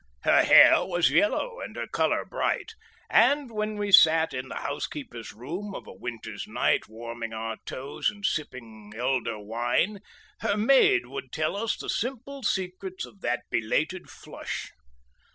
Her hair was yellow and her colour bright, and when we sat in the housekeeper's room of a winter's night warming our toes and sipping elder wine, her maid would tell us the simple secrets of that belated flush....